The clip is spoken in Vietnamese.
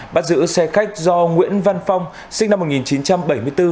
bắt giữ xe khách do nguyễn văn phong sinh năm một nghìn chín trăm bảy mươi bốn